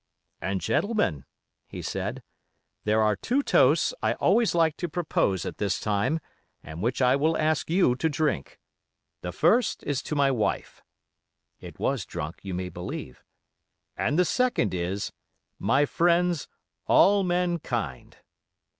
'And, gentlemen,' he said, 'there are two toasts I always like to propose at this time, and which I will ask you to drink. The first is to my wife.' It was drunk, you may believe. 'And the second is, "My friends: all mankind."